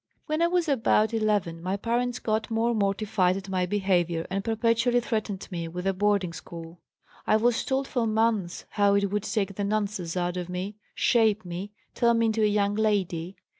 "When I was about 11 my parents got more mortified at my behavior and perpetually threatened me with a boarding school. I was told for months how it would take the nonsense out of me 'shape me,' 'turn me into a young lady.'